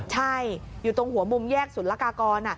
ใช่อยู่ตรงหัวมุมแยกศูนย์ละกากร